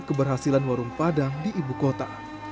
keberhasilan warung padang di ibu kota